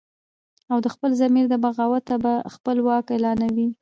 او د خپل ضمیر د بغاوته به خپل واک اعلانوي